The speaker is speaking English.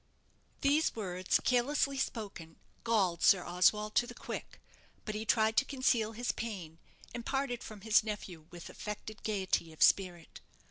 These words, carelessly spoken, galled Sir Oswald to the quick; but he tried to conceal his pain, and parted from his nephew with affected gaiety of spirit.